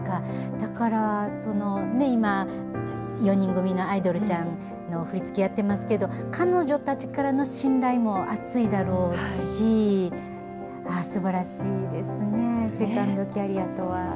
だから今、４人組のアイドルちゃんの振り付けやってますけど、彼女たちからの信頼もあついだろうし、すばらしいですね、セカンドキャリアとは。